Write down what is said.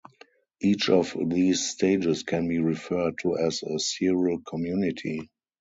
Each of these stages can be referred to as a seral community.